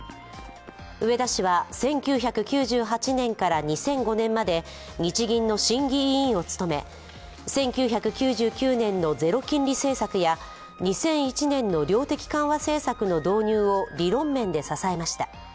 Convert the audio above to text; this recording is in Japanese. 植田氏は１９９８年から２００５年まで日銀の審議委員を務め、１９９９年のゼロ金利政策や２００１年の量的緩和政策の導入を理論面で支えました。